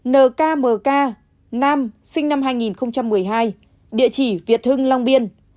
một mươi một nkmk nữ sinh năm một nghìn chín trăm sáu mươi tám địa chỉ việt hưng long biên